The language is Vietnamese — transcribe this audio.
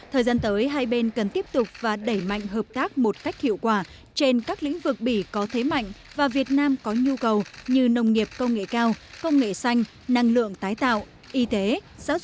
thời gian tới hai bên cần tiếp tục và đẩy mạnh hợp tác một cách hiệu quả trên các lĩnh vực bỉ có thế mạnh và việt nam có nhu cầu như nông nghiệp công nghệ cao công nghệ xanh năng lượng tái tạo y tế